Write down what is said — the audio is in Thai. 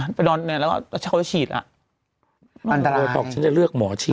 มันไปนอนในแล้วก็โชว์ฉีดอ่ะอันตรายบอกฉันจะเลือกหมอฉีด